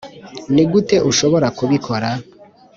nigute ushobora kubikora?